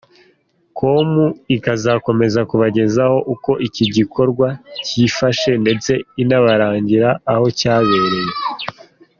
com ikazakomeza kubagezaho uko igi gikorwa kifashe ndetse inabarangira aho cyabereye.